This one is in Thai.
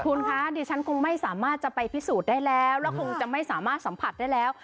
คุณคะดิฉันคงไม่สามารถจะไปพิสูจน์ได้แล้วแล้วคงจะไม่สามารถสัมผัสได้แล้ว